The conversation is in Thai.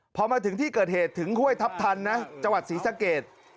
พอมาถึงที่เกิดเหตุถึงห้วยทัพทันนะจังหวัดศรีสะเกด